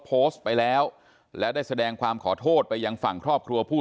โพสต์ไปแล้วและได้แสดงความขอโทษไปยังฝั่งครอบครัวผู้